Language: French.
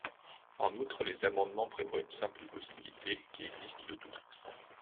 En outre, les amendements prévoient une simple possibilité – qui existe de toute façon.